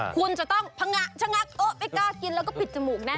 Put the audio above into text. คุณจะต้องพังงะชะงักโอ๊ะไม่กล้ากินแล้วก็ปิดจมูกแน่